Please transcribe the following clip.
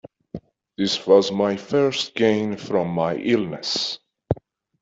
This was my first gain from my illness.